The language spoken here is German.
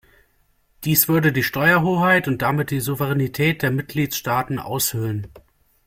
Dies würde die Steuerhoheit, und damit die Souveränität der Mitgliedstaaten, aushöhlen.